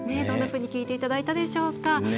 どんなふうに聴いていただいたでしょうか。